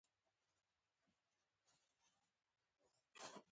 روبوټونه د بشري ژبې د پېژندنې وسایل لري.